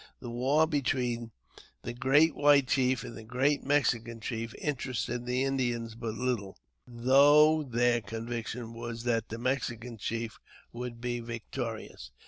The war between the great white chief and the great Mexican chief interested the Indians but little, though their conviction was that the Mexican chief would be victorious.